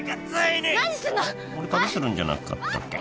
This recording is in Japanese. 俺旅するんじゃなかったっけ